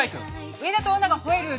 『上田と女が吠える夜』